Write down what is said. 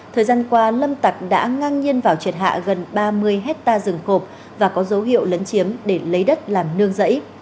thời gian qua lâm tặc đã ngang nhiên vào triệt hạ gần ba mươi hectare rừng khộp và có dấu hiệu lấn chiếm để lấy đất làm nương rẫy